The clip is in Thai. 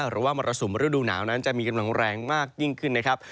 หรือว่ามรสุมฤดูหนาวนั้นจะมีกำลังแรงมากยิ่งขึ้นนะครับ